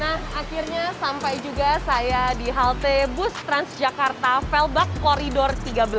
nah akhirnya sampai juga saya di halte bus transjakarta felbuk koridor tiga belas